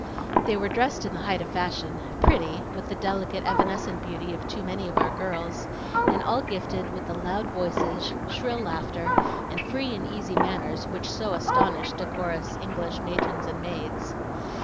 They were dressed in the height of the fashion, pretty with the delicate evanescent beauty of too many of our girls, and all gifted with the loud voices, shrill laughter, and free and easy manners which so astonish decorous English matrons and maids.